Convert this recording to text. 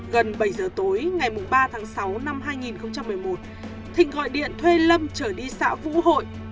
gần bảy giờ tối ngày ba tháng sáu năm hai nghìn một mươi một thịnh gọi điện thuê lâm trở đi xã vũ hội